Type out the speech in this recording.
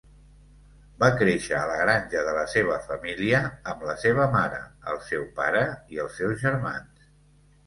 Va créixer a la granja de la seva família amb la seva mare, el seu pare i els seus germans.